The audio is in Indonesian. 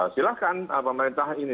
silahkan pemerintahan ini